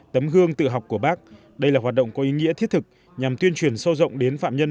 tấm gương tự học của bác đây là hoạt động có ý nghĩa thiết thực nhằm tuyên truyền sâu rộng đến phạm nhân